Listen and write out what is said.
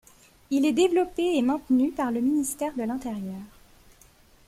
Il est développé et maintenu par le ministère de l'Intérieur.